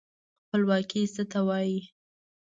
خپلواکي څه ته وايي.